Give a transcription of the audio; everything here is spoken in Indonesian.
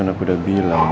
kan aku udah bilang ya